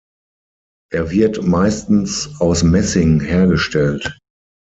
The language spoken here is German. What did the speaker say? Er wird meistens aus Messing hergestellt.